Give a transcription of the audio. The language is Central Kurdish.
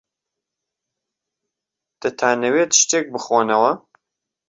دەتانەوێت شتێک بخۆنەوە؟